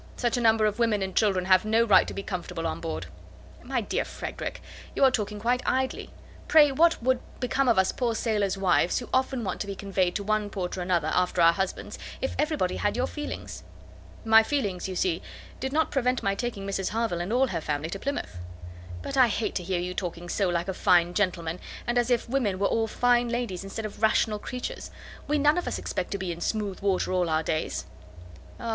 Such a number of women and children have no right to be comfortable on board." "My dear Frederick, you are talking quite idly. Pray, what would become of us poor sailors' wives, who often want to be conveyed to one port or another, after our husbands, if everybody had your feelings?" "My feelings, you see, did not prevent my taking Mrs Harville and all her family to Plymouth." "But I hate to hear you talking so like a fine gentleman, and as if women were all fine ladies, instead of rational creatures. We none of us expect to be in smooth water all our days." "Ah!